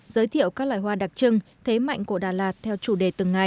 giới thiệu các loài hoa đặc trưng thế mạnh của đà lạt theo chủ đề từng ngày